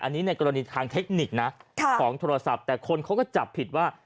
อันนี้ในกรณีทางเทคนิคนะของโทรศัพท์แต่คนเขาก็จับผิดว่า